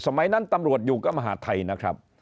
สมัยนั้นตำรวจอยู่กับมหาดไทยนะครับ